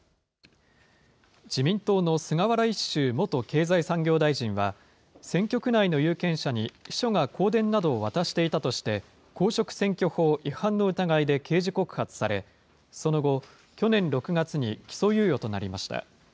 自民党の菅原一秀元経済産業大臣は、選挙区内の有権者に秘書が香典などを渡していたとして、公職選挙法違反の疑いで刑事告発され、その後、去年６月に起訴猶予となりました。